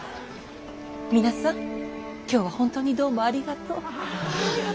皆さん今日は本当にどうもありがとう。